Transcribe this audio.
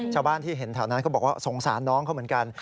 ชาวบ้านที่เห็นแถวนั้นเขาบอกว่าสงสารน้องเขาเหมือนกัน